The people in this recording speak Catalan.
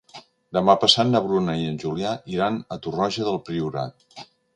Demà passat na Bruna i en Julià iran a Torroja del Priorat.